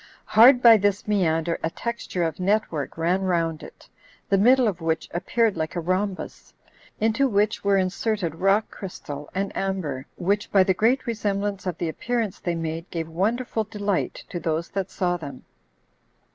Hard by this meander a texture of net work ran round it, the middle of which appeared like a rhombus, into which were inserted rock crystal and amber, which, by the great resemblance of the appearance they made, gave wonderful delight to those that saw them.